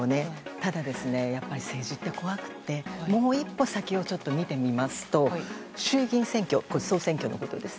ただ、やっぱり政治って怖くてもう一歩先を見てみますと衆議院選挙、総選挙のことです。